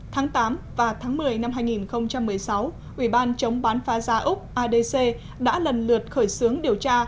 tháng tám và tháng một mươi năm hai nghìn một mươi sáu ủy ban chống bán phá giá úc adc đã lần lượt khởi xướng điều tra